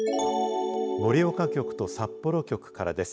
盛岡局と札幌局からです。